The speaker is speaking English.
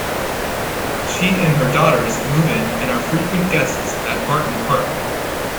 She and her daughters move in, and are frequent guests at Barton Park.